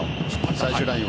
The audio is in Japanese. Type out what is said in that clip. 最終ラインを。